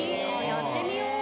やってみよう。